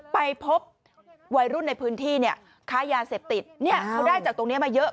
ไปพบวัยรุ่นในพื้นที่เนี่ยค้ายาเสพติดเนี่ยเขาได้จากตรงนี้มาเยอะ